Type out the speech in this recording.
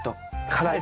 辛い。